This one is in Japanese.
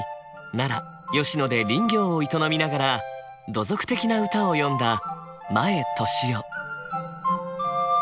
奈良・吉野で林業を営みながら土俗的な歌を詠んだ前登志夫。